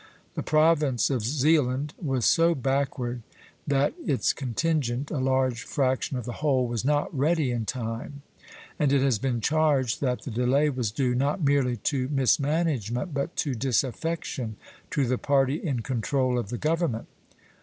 The province of Zealand was so backward that its contingent, a large fraction of the whole, was not ready in time; and it has been charged that the delay was due, not merely to mismanagement, but to disaffection to the party in control of the government.